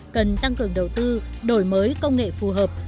cần tăng cường đầu tư đổi mới công nghệ phù hợp